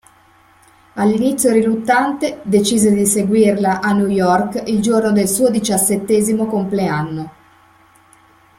All'inizio riluttante, decise di seguirla a New York il giorno del suo diciassettesimo compleanno.